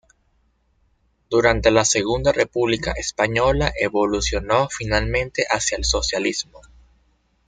Durante la Segunda República Española evolucionó finalmente hacia el socialismo.